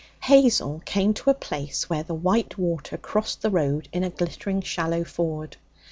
Hazel came to a place where the white water crossed the road in a glittering shallow ford.